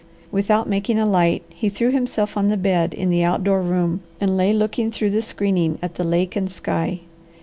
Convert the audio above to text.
Without making a light, he threw himself on the bed in the outdoor room, and lay looking through the screening at the lake and sky.